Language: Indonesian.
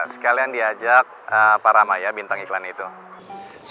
seolahan il charlotte